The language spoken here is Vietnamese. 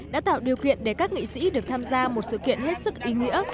đã tạo điều kiện để các nghị sĩ được tham gia một sự kiện hết sức ý nghĩa